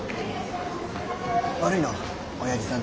悪いのおやじさん